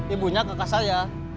ibunya ke kak saya